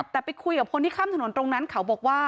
แต่ไปคุยกับคนที่ข้ามถนนตรงนั้นเขาบอกว่า